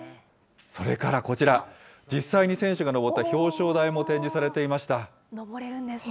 それからこちら、実際に選手が上った表彰台も展示されていました。